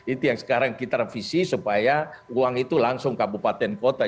itu yang sekarang kita revisi supaya uang itu langsung kabupaten kota